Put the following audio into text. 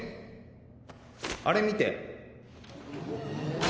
あれ見て。